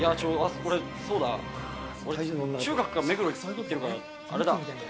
そうだ、俺、中学から目黒行ってるから、あれだ。